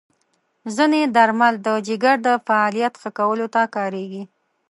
ځینې درمل د جګر د فعالیت ښه کولو ته کارېږي.